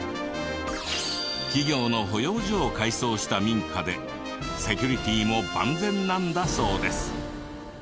企業の保養所を改装した民家でセキュリティも万全なんだそうです。